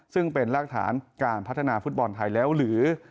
ซึ่งเป็นรากฐานการพัฒนาฟุตบอลไทยแล้วหรือ